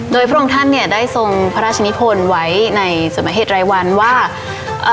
โดยพระองค์ท่านเนี่ยได้ทรงพระราชนิพลไว้ในสมเหตุรายวันว่าเอ่อ